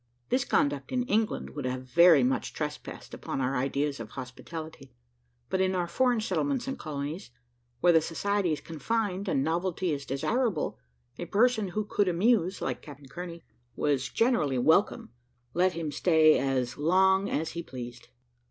This conduct in England would have very much trespassed upon our ideas of hospitality; but in our foreign settlements and colonies, where the society is confined and novelty is desirable, a person who could amuse like Captain Kearney was generally welcome, let him stay as long as he pleased.